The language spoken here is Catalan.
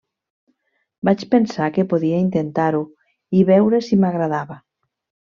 Vaig pensar que podia intentar-ho i veure si m'agradava.